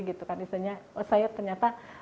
jadi itu kan istrinya saya ternyata